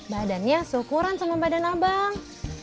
badannya syukuran sama badan abang